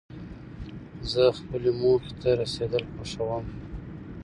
زه خپلې موخي ته رسېدل خوښوم.